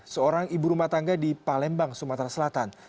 seorang ibu rumah tangga di palembang sumatera selatan